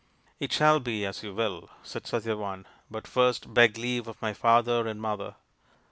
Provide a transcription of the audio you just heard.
" It shall be as you will," said Satyavan, " but first beg leave of my father and mother."